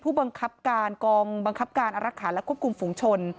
ผู้บังคับการกองบังคับการอารักษาและควบคุมฝุงชน